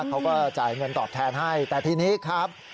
เขาก็จ่ายเงินตอบแทนให้แต่ทีนี้ครับ